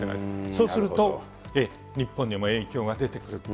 そうすると、日本にも影響が出てくると。